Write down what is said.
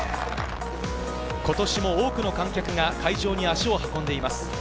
今年も多くの観客が会場に足を運んでいます。